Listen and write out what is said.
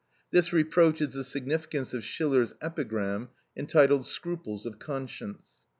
This reproach is the significance of Schiller's epigram, entitled "Scruples of Conscience."